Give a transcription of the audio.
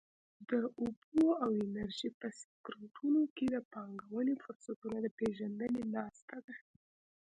د اوبو او انرژۍ په سکټورونو کې د پانګونې فرصتونو د پېژندنې ناسته.